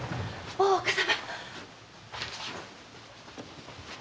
大岡様？